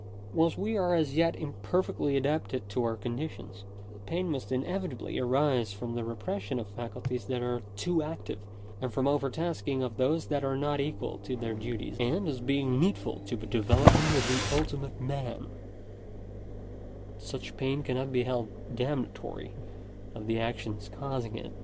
Whilst we are as yet imperfectly adapted to our conditions, pain must inevitably arise from the repression of faculties that are too active, and from the over tasking of those that are not equal to their duties ; and, as being needful to the development of the ultimate man, such pain cannot be held damnatory of the actions causing it.